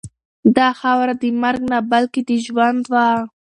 دا خاوره د مرګ نه بلکې د ژوند وه.